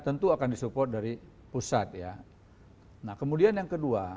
tentu akan disupport dari pusat ya nah kemudian yang kedua